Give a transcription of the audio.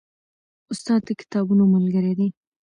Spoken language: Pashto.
استاد د کتابونو ملګری دی.